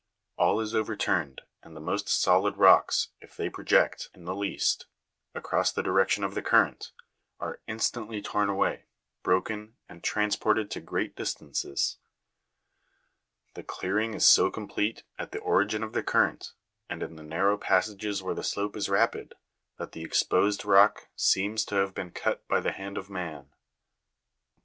All is overturned, and the most solid rocks, if they project, in the'least, across the direction of the current, are instantly torn away, broken, and transported to great distances. The clear ing is so complete, at the origin of the current, and in the narrow passages where the slope is rapid, that the exposed rock seems to have been cut by the hand of man.